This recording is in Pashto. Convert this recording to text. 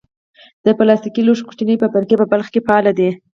د پلاستیکي لوښو کوچنۍ فابریکې په بلخ کې فعالې دي.